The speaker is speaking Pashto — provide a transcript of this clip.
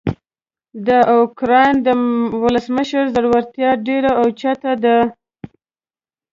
د اوکراین د ولسمشر زړورتیا ډیره اوچته ده.